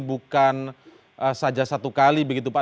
bukan saja satu kali begitu pak